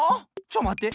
ちょまって。